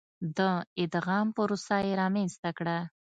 د ادغام پروسه یې رامنځته کړه.